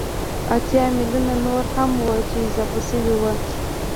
اتيا ميليونه نور هغه وو چې اضافه شوي وو